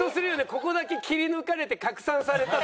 ここだけ切り抜かれて拡散されたと思うと。